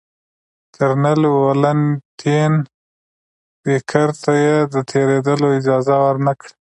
کرنل ولنټین بېکر ته یې د تېرېدلو اجازه ورنه کړه.